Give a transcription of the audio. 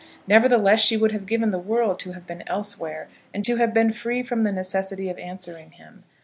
Nevertheless she would have given the world to have been elsewhere, and to have been free from the necessity of answering him.